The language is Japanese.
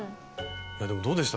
いやでもどうでした？